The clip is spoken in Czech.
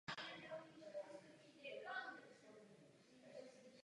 Nová stavba musí být jiná.